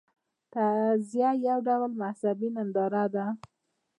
تعزیه یو ډول مذهبي ننداره ده.